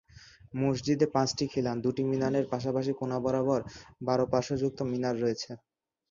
মসজিদে পাঁচটি খিলান, দুটি মিনারের পাশাপাশি কোণা বরাবর বারো-পার্শ্বযুক্ত মিনার রয়েছে।